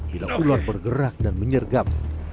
bila ular bergerak dan menyergap